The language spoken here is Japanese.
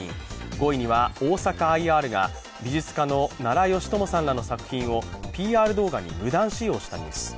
５位には大阪ＩＲが美術家の奈良美智さんらの作品をＰＲ動画に無断使用したニュース。